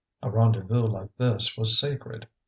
A rendezvous like this was sacred.